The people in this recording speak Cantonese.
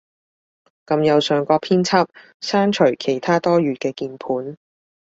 撳右上角編輯，刪除其它多餘嘅鍵盤